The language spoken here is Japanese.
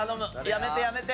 やめてやめて。